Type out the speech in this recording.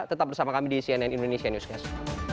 tetap bersama kami di cnn indonesia newscast